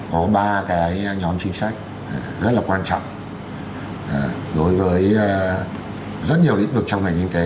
có ba cái nhóm chính sách rất là quan trọng đối với rất nhiều lĩnh vực trong ngành kinh tế